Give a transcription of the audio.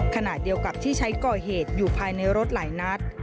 ขณะเดียวกันที่ใช้ก่อเหตุอยู่ภายในรถหลายนัด